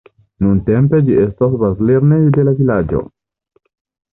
Nuntempe ĝi estas bazlernejo de la vilaĝo.